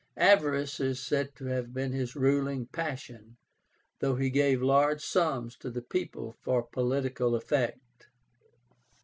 Avarice is said to have been his ruling passion, though he gave large sums to the people for political effect.